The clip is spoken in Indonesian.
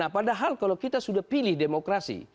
padahal kalau kita sudah pilih demokrasi